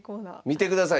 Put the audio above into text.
見てください